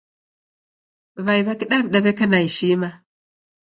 W'ai w'a kidaw'ida w'eka na ishima.